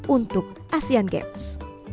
untuk asean games